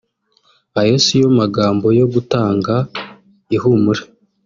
Ayo siyo magambo yo gutanga ihumure